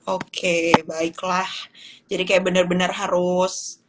oke baiklah jadi kayak bener bener harus